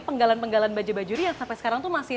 penggalan penggalan bajaj bajuri yang sampai sekarang tuh masih